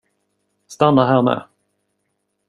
Stanna här med.